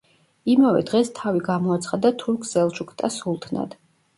იმავე დღეს თავი გამოაცხადა თურქ-სელჩუკთა სულთნად.